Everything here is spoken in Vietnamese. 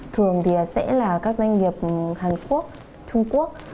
thường thì sẽ là các doanh nghiệp hàn quốc trung quốc